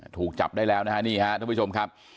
ถูกจับได้แล้วนะฮะเนี่ยนะผู้ชมครับ